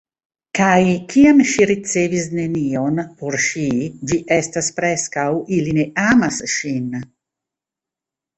Kaj kiam ŝi ricevis nenion, por ŝi, ĝi estas preskaŭ ili ne amas ŝin.